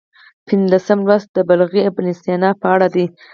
پنځلسم لوست د بلخي ابن سینا په اړه دی.